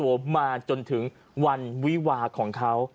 ออกมาจนถึงวันวีวาของเขา